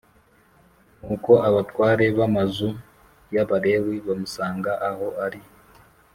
Nuko abatware b amazu y Abalewi bamusanga aho ari